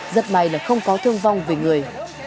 rất may là không có thương vong về người